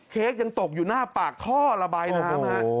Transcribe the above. เค้กยังตกอยู่หน้าปากท่อระบายน้ำฮะ